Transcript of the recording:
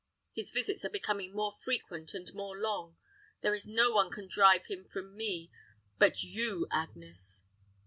His visits are becoming more frequent and more long. There is no one can drive him from me but you, Agnes."